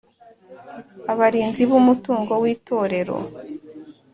Abarinzi b Umutungo w Itorero